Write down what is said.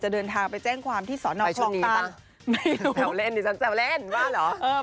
จะเดินทางไปแจ้งความที่สอนอธคลองตันไปชุดนี้ป่ะไม่รู้แจ๋วเล่นแจ๋วเล่นว่าเหรอ